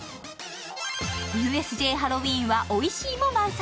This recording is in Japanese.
ＵＳＪハロウィーンはおいしいも満載。